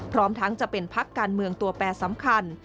พร้อมทั้งจะเป็นพักการเมืองตัวแปรสำคัญ